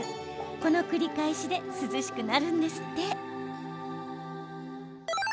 この繰り返しで涼しくなるんですって。